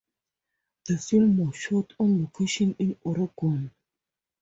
The film was shot on location in Oregon.